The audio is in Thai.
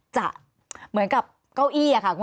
จะเหมือนกับเก้าอี้ค่ะคุณ